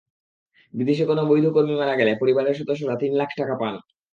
বিদেশে কোনো বৈধ কর্মী মারা গেলে পরিবারের সদস্যরা তিন লাখ টাকা পান।